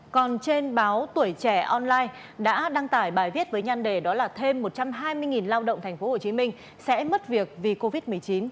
còn trên báo tuổi trẻ online đã đăng tải bài viết với nhăn đề đó là thêm một trăm hai mươi lao động tp hồ chí minh sẽ mất việc vì covid một mươi chín